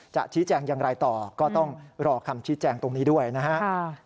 ชี้แจงอย่างไรต่อก็ต้องรอคำชี้แจงตรงนี้ด้วยนะครับ